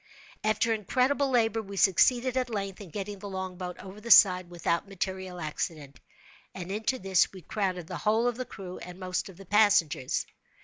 After incredible labor we succeeded, at length, in getting the longboat over the side without material accident, and into this we crowded the whole of the crew and most of the passengers.